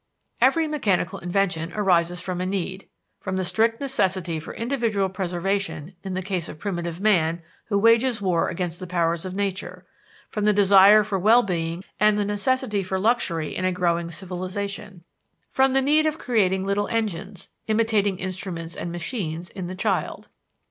Every mechanical invention arises from a need: from the strict necessity for individual preservation in the case of primitive man who wages war against the powers of nature; from the desire for well being and the necessity for luxury in growing civilization; from the need of creating little engines, imitating instruments and machines, in the child.